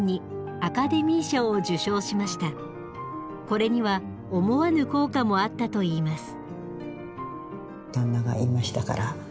これには思わぬ効果もあったといいます。